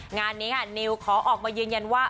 งานนี้ค่ะนิวขอออกมายืนยันว่า